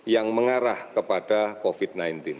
yang mengarah kepada covid sembilan belas